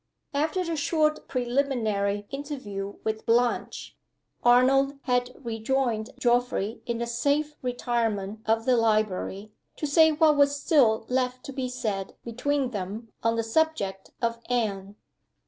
After a short preliminary interview with Blanche, Arnold had rejoined Geoffrey in the safe retirement of the library, to say what was still left to be said between them on the subject of Anne.